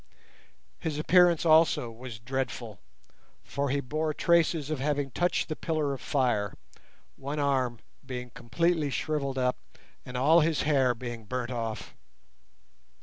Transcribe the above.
His appearance also was dreadful, for he bore traces of having touched the pillar of fire—one arm being completely shrivelled up and all his hair being burnt off.